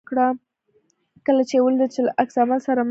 کله چې یې ولیدل چې له عکس العمل سره مخ نه شو.